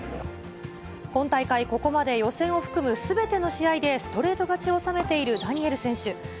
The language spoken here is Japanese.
今大会、ここまで予選を含むすべての試合で、ストレート勝ちを収めているダニエル選手。